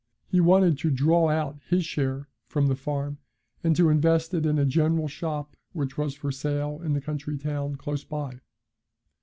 He wanted to draw out his share from the farm and to invest it in a general shop which was for sale in the country town, close by.